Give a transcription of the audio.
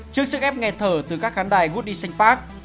trước sự ép nghẹt thở từ các khán đài woody sainz park